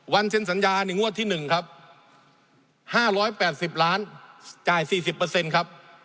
วันเซ็นสัญญานินวดที่๑๕๘๐ล้านจ่าย๔๐